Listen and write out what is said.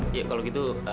iya kalau gitu